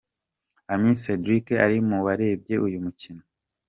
Amiss Cedric ari mu barebye uyu mukino